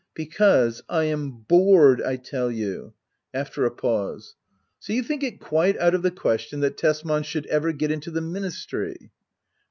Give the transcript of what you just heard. Because I am bored, I tell you ! [After a pause,] So you think it quite out of the question that Tesman should ever get into the ministry